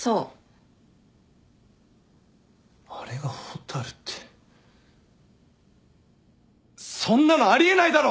あれが蛍ってそんなのあり得ないだろ！